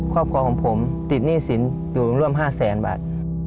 ครอบครองของผมติดหนี้สินอยู่ร่วมร่วม๕๐๐บาท